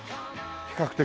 比較的。